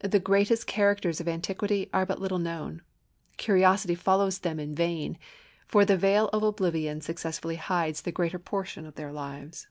The greatest characters of antiquity are but little known. Curiosity follows them in vain, for the veil of oblivion successfully hides the greater portion of their lives.